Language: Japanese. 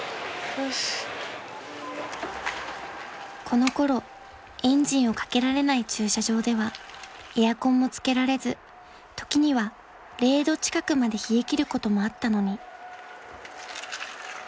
［このころエンジンをかけられない駐車場ではエアコンもつけられず時には０度近くまで冷え切ることもあったのに］